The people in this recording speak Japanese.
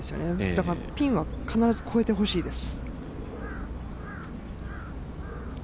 だからピンは必ず越えてほしいです。